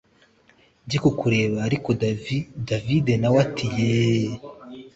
nje kukureba ariko davi david nawe ati yeeeeh